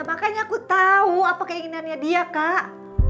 makanya aku tahu apa keinginannya dia kak